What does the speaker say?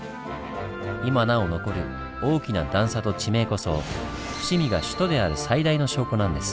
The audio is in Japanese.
今なお残る大きな段差と地名こそ伏見が首都である最大の証拠なんです。